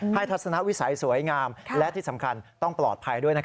ทัศนวิสัยสวยงามและที่สำคัญต้องปลอดภัยด้วย